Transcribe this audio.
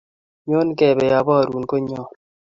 Nyon kepe aparun konyon